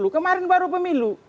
kemarin baru pemilu